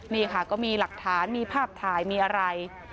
นี่ค่ะก็มีหลักฐานมีภาพถ่ายมีอะไร